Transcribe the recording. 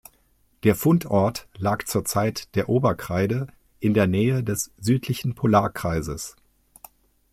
Der Fundort lag zur Zeit der Oberkreide in der Nähe des südlichen Polarkreises.